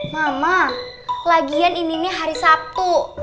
mama lagian ini hari sabtu